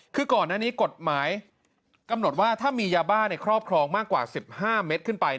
คือก่อนอันนี้กฎหมายกำหนดว่าถ้ามียาบ้าในครอบครองมากกว่า๑๕เมตรขึ้นไป